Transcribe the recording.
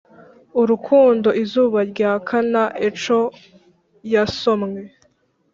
urukundo izuba ryaka na echo yasomwe,